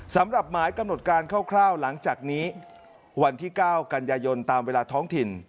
สำหรับหมายกำหนดการคร่าวหลังจากนี้วันที่๙กันยายนตามเวลาท้องถิ่น